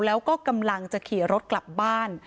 แล้วก็กำลังจะขี่รถกลับบ้าน